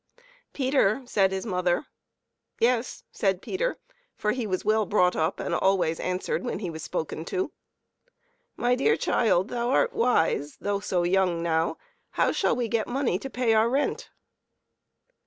" Peter," said his mother. " Yes," said Peter, for he was well brought up, and always answered when he was spoken to. " My dear little child, thou art wise, though so young now ; how shall we get money to pay our rent?"